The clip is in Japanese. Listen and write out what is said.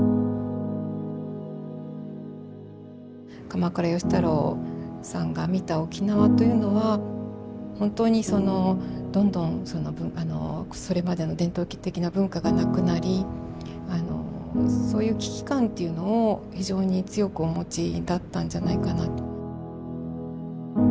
鎌倉芳太郎さんが見た沖縄というのは本当にそのどんどんそれまでの伝統的な文化がなくなりそういう危機感というのを非常に強くお持ちだったんじゃないかなと。